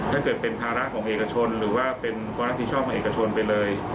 ถ้าเกิดเป็นภาระของเอกชนหรือว่าเป็นความรับผิดชอบของเอกชนไปเลย